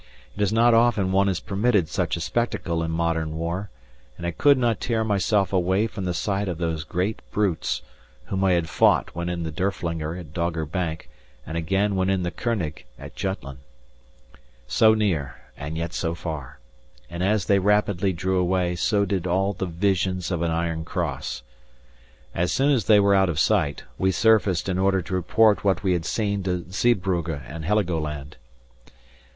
It is not often one is permitted such a spectacle in modern war, and I could not tear myself away from the sight of those great brutes, whom I had fought when in the Derflingger at Dogger Bank and again when in the König at Jutland. So near and yet so far, and as they rapidly drew away so did all the visions of an Iron Cross. As soon as they were out of sight, we surfaced in order to report what we had seen to Zeebrugge and Heligoland.